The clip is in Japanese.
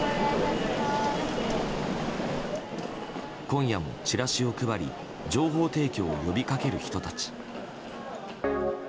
今夜もチラシを配り情報提供を呼び掛ける人たち。